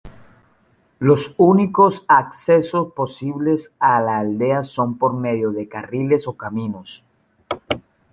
Los únicos accesos posibles a la aldea son por medio de carriles o caminos.